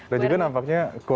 dan juga nampaknya kuat banget